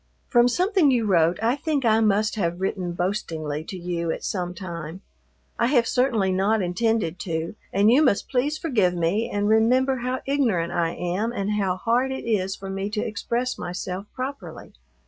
From something you wrote I think I must have written boastingly to you at some time. I have certainly not intended to, and you must please forgive me and remember how ignorant I am and how hard it is for me to express myself properly.